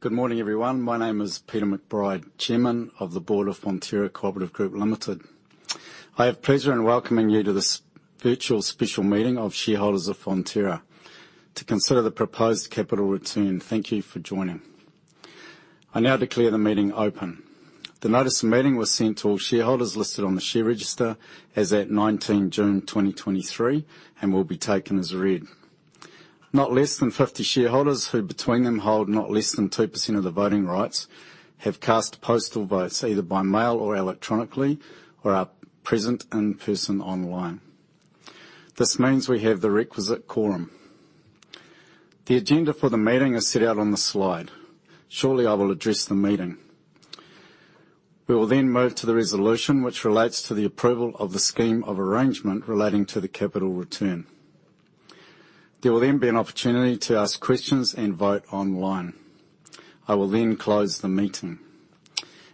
Good morning, everyone. My name is Peter McBride, Chairman of the Board of Fonterra Co-operative Group Limited. I have pleasure in welcoming you to this virtual special meeting of shareholders of Fonterra to consider the proposed capital return. Thank you for joining. I now declare the meeting open. The notice of meeting was sent to all shareholders listed on the share register as at 19 June 2023, and will be taken as read. Not less than 50 shareholders, who between them hold not less than 2% of the voting rights, have cast postal votes either by mail or electronically, or are present in person online. This means we have the requisite quorum. The agenda for the meeting is set out on the slide. Shortly, I will address the meeting. We will move to the resolution, which relates to the approval of the scheme of arrangement relating to the capital return. There will be an opportunity to ask questions and vote online. I will close the meeting.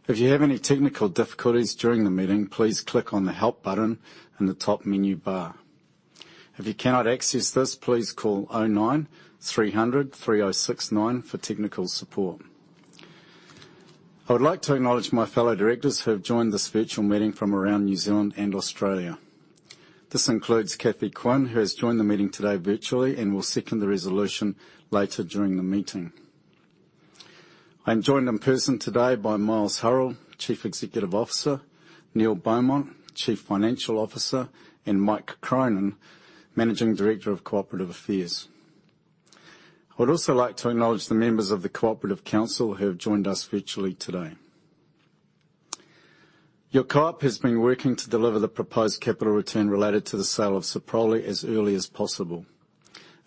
If you have any technical difficulties during the meeting, please click on the Help button in the top menu bar. If you cannot access this, please call 09 300 3069 for technical support. I would like to acknowledge my fellow directors who have joined this virtual meeting from around New Zealand and Australia. This includes Cathy Quinn, who has joined the meeting today virtually and will second the resolution later during the meeting. I'm joined in person today by Miles Hurrell, Chief Executive Officer, Neil Beaumont, Chief Financial Officer, and Mike Cronin, Managing Director of Co-operative Affairs. I would also like to acknowledge the members of the Co-operative Council who have joined us virtually today. Your Co-op has been working to deliver the proposed capital return related to the sale of Soprole as early as possible.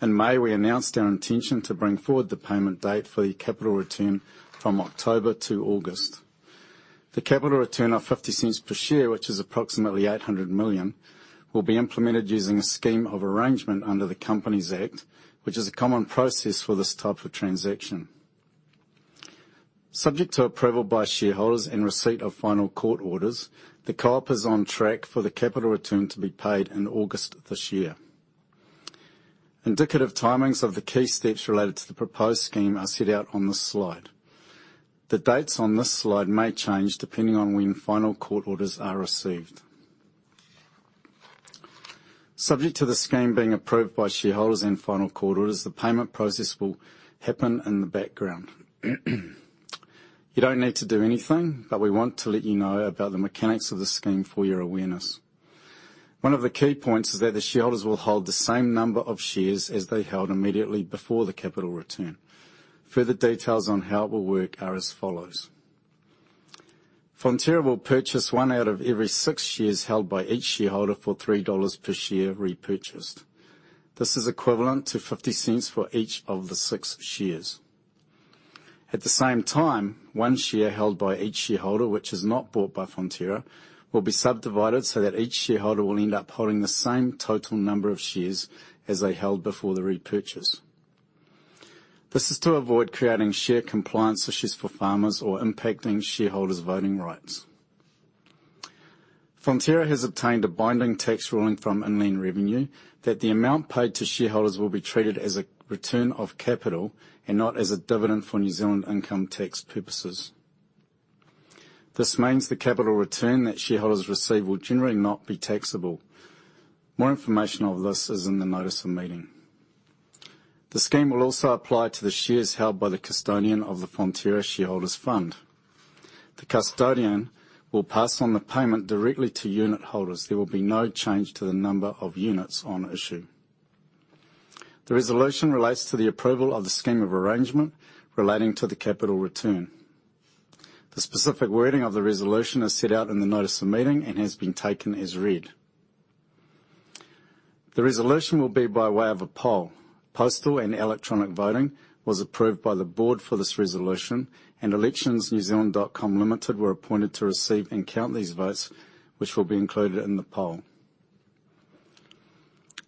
In May, we announced our intention to bring forward the payment date for the capital return from October to August. The capital return of 0.50 per share, which is approximately 800 million, will be implemented using a scheme of arrangement under the Companies Act, which is a common process for this type of transaction. Subject to approval by shareholders and receipt of final court orders, the Co-op is on track for the capital return to be paid in August this year. Indicative timings of the key steps related to the proposed scheme are set out on this slide. The dates on this slide may change, depending on when final court orders are received. Subject to the scheme being approved by shareholders and final court orders, the payment process will happen in the background. You don't need to do anything, but we want to let you know about the mechanics of the scheme for your awareness. One of the key points is that the shareholders will hold the same number of shares as they held immediately before the capital return. Further details on how it will work are as follows: Fonterra will purchase one out of every six shares held by each shareholder for 3 dollars per share repurchased. This is equivalent to 0.50 for each of the six shares. At the same time, one share held by each shareholder, which is not bought by Fonterra, will be subdivided so that each shareholder will end up holding the same total number of shares as they held before the repurchase. This is to avoid creating share compliance issues for farmers or impacting shareholders' voting rights. Fonterra has obtained a binding tax ruling from Inland Revenue, that the amount paid to shareholders will be treated as a return of capital and not as a dividend for New Zealand income tax purposes. This means the capital return that shareholders receive will generally not be taxable. More information of this is in the notice of meeting. The scheme will also apply to the shares held by the custodian of the Fonterra Shareholders' Fund. The custodian will pass on the payment directly to unit holders. There will be no change to the number of units on issue. The resolution relates to the approval of the scheme of arrangement relating to the capital return. The specific wording of the resolution is set out in the notice of meeting and has been taken as read. The resolution will be by way of a poll. Postal and electronic voting was approved by the board for this resolution, and Electionz.com Limited were appointed to receive and count these votes, which will be included in the poll.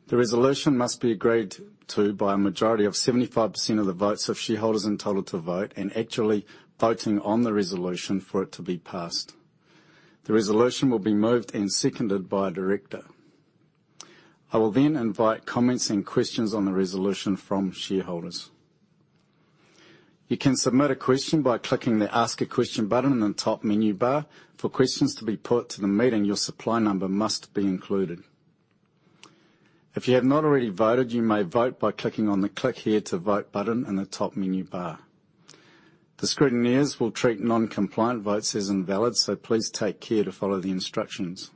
The resolution must be agreed to by a majority of 75% of the votes of shareholders entitled to vote and actually voting on the resolution for it to be passed. The resolution will be moved and seconded by a director. I will then invite comments and questions on the resolution from shareholders. You can submit a question by clicking the Ask a Question button in the top menu bar. For questions to be put to the meeting, your supply number must be included. If you have not already voted, you may vote by clicking on the Click Here to Vote button in the top menu bar. The scrutineers will treat non-compliant votes as invalid, please take care to follow the instructions.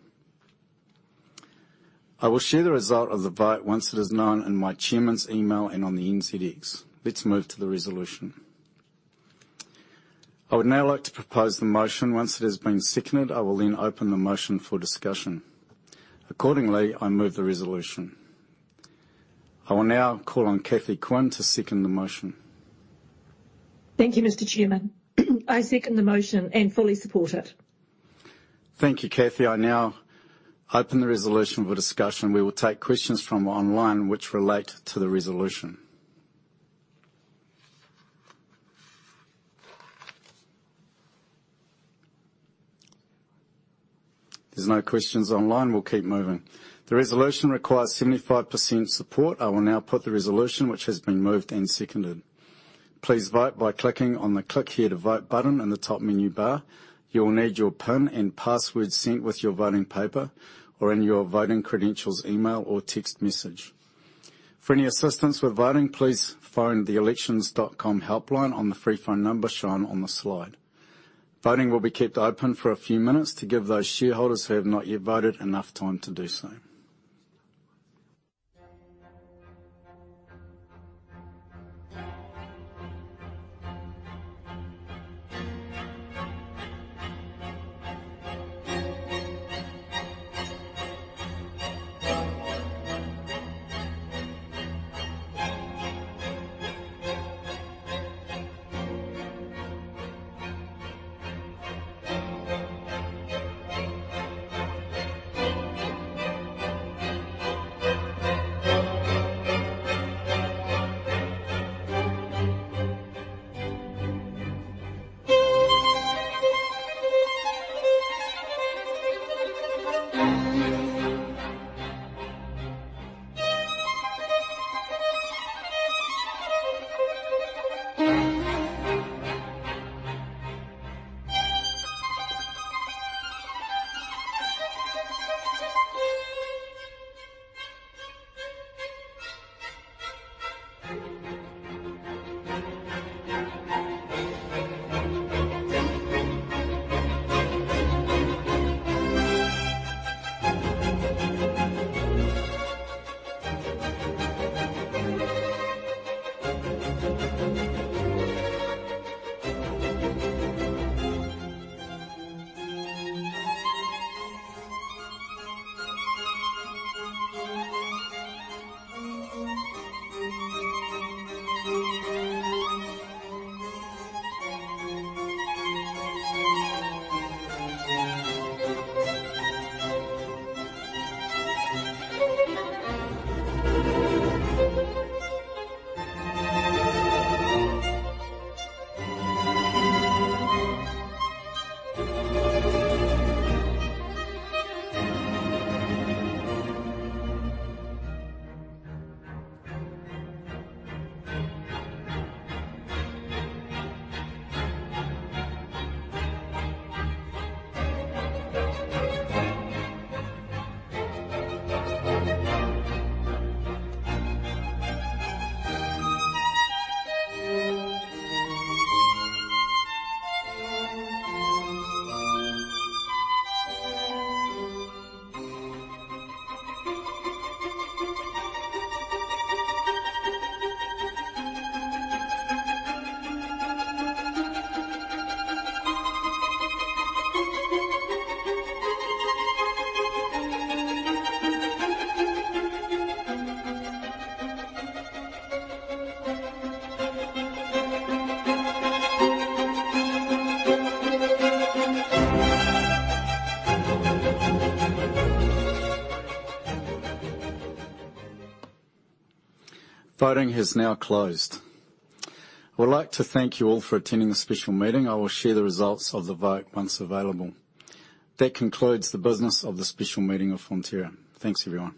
I will share the result of the vote once it is known in my chairman's email and on the NZX. Let's move to the resolution. I would now like to propose the motion. Once it has been seconded, I will open the motion for discussion. Accordingly, I move the resolution. I will now call on Cathy Quinn to second the motion. Thank you, Mr. Chairman. I second the motion and fully support it. Thank you, Cathy. I now open the resolution for discussion. We will take questions from online which relate to the resolution. There's no questions online. We'll keep moving. The resolution requires 75% support. I will now put the resolution, which has been moved and seconded. Please vote by clicking on the Click Here to Vote button in the top menu bar. You will need your PIN and password sent with your voting paper or in your voting credentials, email, or text message. For any assistance with voting, please phone the electionz.com helpline on the freephone number shown on the slide. Voting will be kept open for a few minutes to give those shareholders who have not yet voted enough time to do so. Voting has now closed. I would like to thank you all for attending this special meeting. I will share the results of the vote once available. That concludes the business of the special meeting of Fonterra. Thanks, everyone.